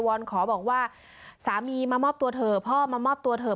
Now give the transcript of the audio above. อนขอบอกว่าสามีมามอบตัวเถอะพ่อมามอบตัวเถอะ